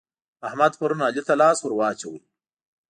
احمد پرون علي ته لاس ور واچاوو.